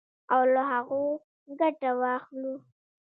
او له هغو ګټه واخلو.